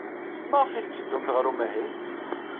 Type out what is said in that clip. Maɣef ay tetteddumt ɣer umahil?